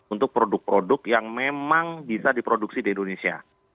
untuk produk produk yang memang bisa diproduksi di indonesia